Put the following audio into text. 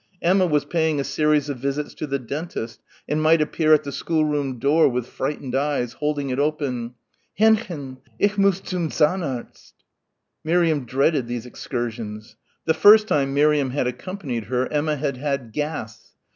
Emma was paying a series of visits to the dentist and might appear at the schoolroom door with frightened eyes, holding it open "Hendchen! Ich muss zum Zahnarzt." Miriam dreaded these excursions. The first time Miriam had accompanied her Emma had had "gas."